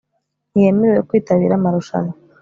ntiyemerewe kwitabira amarushanwa